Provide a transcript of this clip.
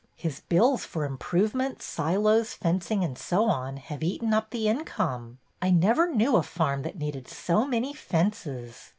His bills for improvements, silos, fencing, and so on, have eaten up the income. I never knew a farm that needed so many fences.